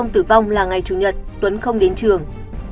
tử vong là ngày chủ nhật tuấn không đến trường